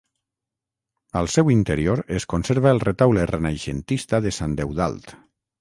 Al seu interior es conserva el retaule renaixentista de Sant Eudald.